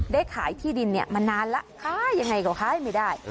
ได้ขายที่ดินเนี่ยมันนานละขายยังไงก็ขายไม่ได้